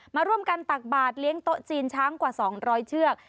มาร่วมกันตักบาทเลี้ยงโต๊ะจีนช้างกว่า๒๐๐เชือก